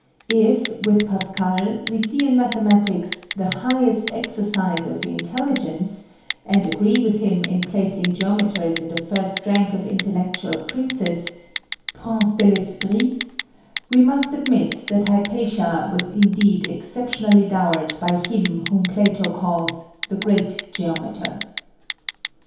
If, with Pascal, we see in mathematics "the highest exercise of the intelligence," and agree with him in placing geometers in the first rank of intellectual princes princes de l'esprit we must admit that Hypatia was indeed exceptionally dowered by Him whom Plato calls "The Great Geometer."